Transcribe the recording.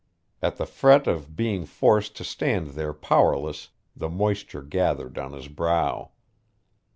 At the fret of being forced to stand there powerless, the moisture gathered on his brow.